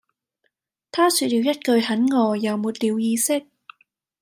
她說了一句很餓又沒了意識